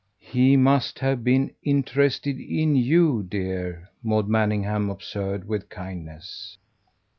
"He must have been interested in YOU, dear," Maud Manningham observed with kindness.